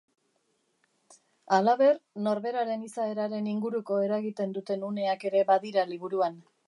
Halaber, norberaren izaeraren inguruko eragiten duten uneak ere badira liburuan.